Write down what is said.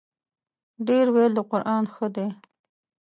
ډېر ویل د قران ښه دی.